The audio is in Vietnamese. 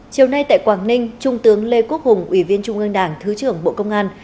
chiều nay tại quảng ninh trung tướng lê quốc hùng ủy viên trung ương đảng thứ trưởng bộ công an